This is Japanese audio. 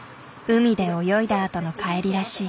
海で泳いだあとの帰りらしい。